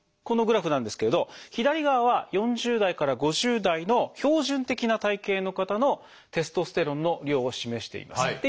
このグラフなんですけれど左側は４０代から５０代の標準的な体型の方のテストステロンの量を示しています。